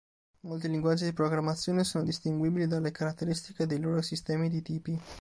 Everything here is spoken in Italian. Molti linguaggi di programmazione sono distinguibili dalle caratteristiche dei loro sistemi di tipi.